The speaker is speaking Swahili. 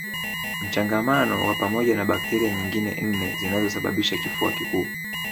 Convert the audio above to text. Mchangamano wa pamoja na bakteria nyingine nne zinazosababisha kifua kikuu